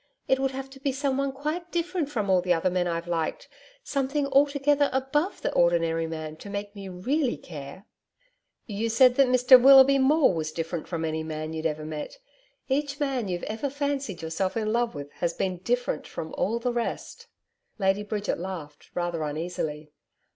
It would have to be someone quite different from all the other men I've liked something altogether above the ordinary man, to make me REALLY care.' 'You said that Mr Willoughby Maule was different from any man you'd ever met. Each man you've ever fancied yourself in love with has been different from all the rest.' Lady Bridget laughed rather uneasily.